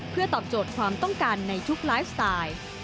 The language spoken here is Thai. เพื่อตอบโจทย์ความต้องการในทุกไลฟ์สไตล์